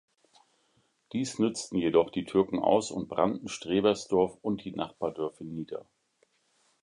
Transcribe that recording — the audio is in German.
Dies nützten jedoch die Türken aus und brannten Strebersdorf und die Nachbardörfer nieder.